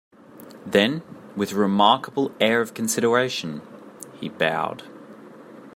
Then, with a remarkable air of consideration, he bowed.